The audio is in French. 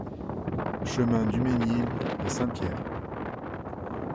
Chemin Dumesgnil à Saint-Pierre